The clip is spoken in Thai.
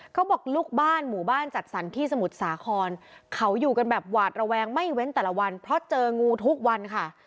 เขาบอกลูกบ้านหมู่บ้านจัดสรรที่สมุทรสาครเขาอยู่กันแบบหวาดระแวงไม่เว้นแต่ละวันเพราะเจองูทุกวันค่ะ